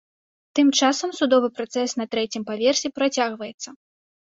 Тым часам судовы працэс на трэцім паверсе працягваецца.